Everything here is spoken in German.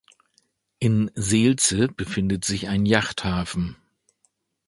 In Seelze befindet sich ein Yachthafen.